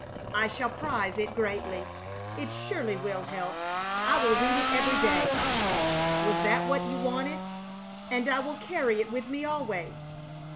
"I shall prize it greatly. It surely will help. I will read it every day. Was that what you wanted? And I will carry it with me always."